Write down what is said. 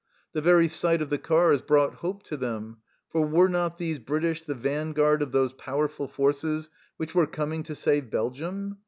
The very sight of the cars brought hope to them, for were not these British the vanguard of those powerful forces which were coming to save Belgium